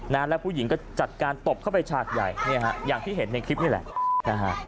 นานแล้วผู้หญิงก็จัดการตบเข้าไปชาติใหญ่อย่างที่เห็นในคลิปนี่แหละ